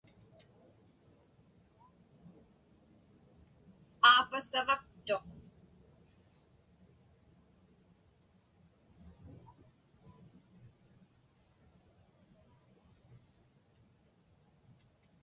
Aapa savaktuq.